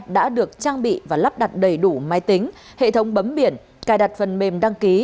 đã được trang bị và lắp đặt đầy đủ máy tính hệ thống bấm biển cài đặt phần mềm đăng ký